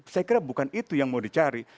saya kira bukan itu yang mau dicari